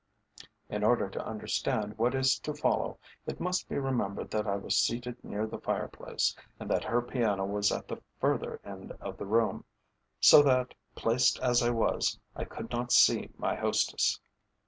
In order to understand what is to follow, it must be remembered that I was seated near the fire place, and that her piano was at the further end of the room, so that, placed as I was, I could not see my hostess.